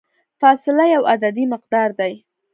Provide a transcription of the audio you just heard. فاصله یو عددي مقدار دی.